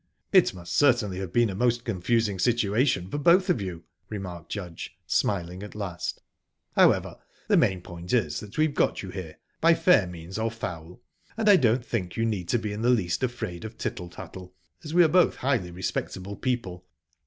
"It must certainly have been a most confusing situation for both of you," remarked Judge, smiling at last "However, the main point is we've got you here, by fair means or foul; and I don't think you need be in the least afraid of tittle tattle, as we are both highly respectable people.